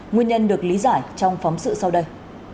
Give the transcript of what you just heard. nguyên nhân được lý giải trong phóng sự sau đây